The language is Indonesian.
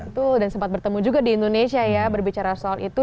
betul dan sempat bertemu juga di indonesia ya berbicara soal itu